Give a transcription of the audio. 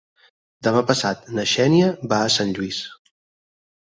Demà passat na Xènia va a Sant Lluís.